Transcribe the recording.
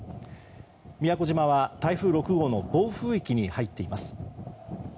宮古島は台風６号の暴風域に入っています。